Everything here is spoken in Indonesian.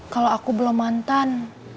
kalau aku belum mantan